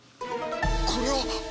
ここれは！